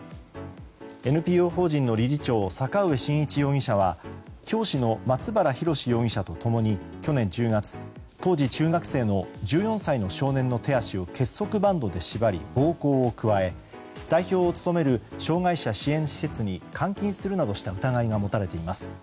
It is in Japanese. ＮＰＯ法人の理事長坂上慎一容疑者は教師の松原宏容疑者と共に去年１０月、当時中学生の１４歳の少年の手足を結束バンドで縛り、暴行を加え代表を務める障害者支援施設に監禁するなどした疑いが持たれています。